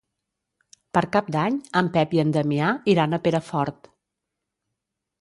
Per Cap d'Any en Pep i en Damià iran a Perafort.